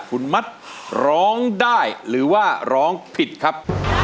คุณมัดร้องได้หรือว่าร้องผิดครับ